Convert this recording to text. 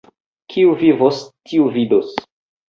Kiu vivos, tiu vidos.